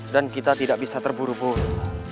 dan kita tidak bisa terburu buru